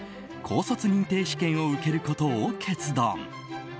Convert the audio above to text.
高卒認定試験を受けることを決断。